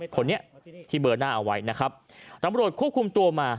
คนนี้ที่เบอร์หน้าเอาไว้นะครับตำรวจควบคุมตัวมา